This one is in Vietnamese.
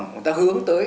người ta hướng tới